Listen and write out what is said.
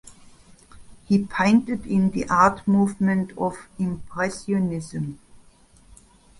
He painted in the art movement of Impressionism.